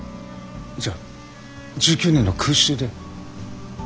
じゃあ１９年の空襲で？